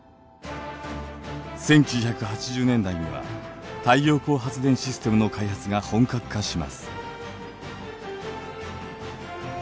１９８０年代には太陽光発電システムの開発が本格化します。